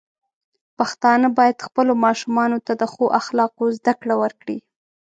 پښتانه بايد خپلو ماشومانو ته د ښو اخلاقو زده کړه ورکړي.